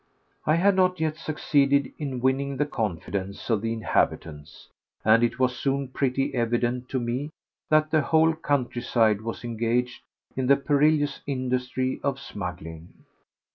I had not yet succeeded in winning the confidence of the inhabitants, and it was soon pretty evident to me that the whole countryside was engaged in the perilous industry of smuggling.